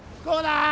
ここだ！